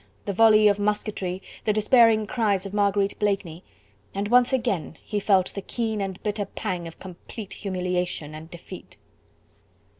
the volley of musketry, the despairing cries of Marguerite Blakeney; and once again he felt the keen and bitter pang of complete humiliation and defeat.